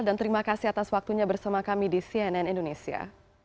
dan terima kasih atas waktunya bersama kami di cnn indonesia